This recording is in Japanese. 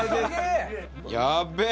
やべえ！